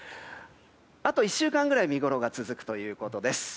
あと１週間ぐらい見ごろが続くということです。